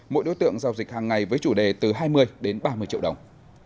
mỗi đối tượng giao dịch hàng ngày với chủ đề từ hai mươi đến ba mươi triệu đồng